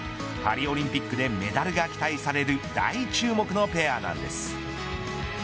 パリオリンピックでメダルが期待される大注目のペアなんです。